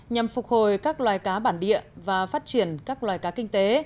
nhằm phục hồi các loài cá bản địa và phát triển các loài cá kinh tế